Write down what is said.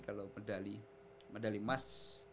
kalau medali medali emas